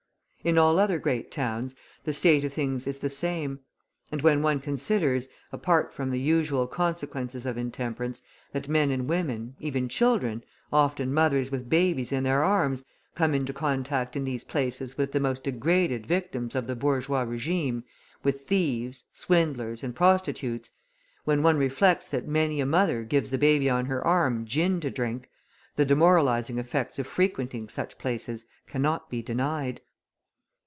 In all other great towns, the state of things is the same. And when one considers, apart from the usual consequences of intemperance, that men and women, even children, often mothers with babies in their arms, come into contact in these places with the most degraded victims of the bourgeois regime, with thieves, swindlers, and prostitutes; when one reflects that many a mother gives the baby on her arm gin to drink, the demoralising effects of frequenting such places cannot be denied.